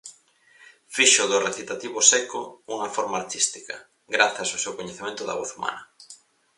Fixo do recitativo secco unha forma artística, grazas ao seu coñecemento da voz humana.